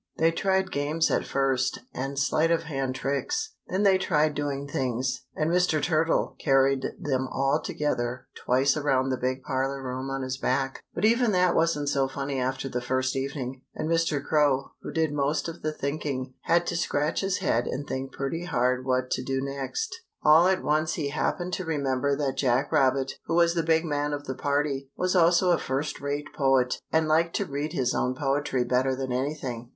They tried games at first, and sleight of hand tricks. Then they tried doing things, and Mr. Turtle carried them all together twice around the big parlor room on his back. But even that wasn't so funny after the first evening, and Mr. Crow, who did most of the thinking, had to scratch his head and think pretty hard what to do next. All at once he happened to remember that Jack Rabbit, who was the big man of the party, was also a first rate poet, and liked to read his own poetry better than anything.